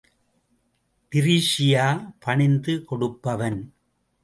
டிரீஸியா பணிந்து கொடுப்பவன்?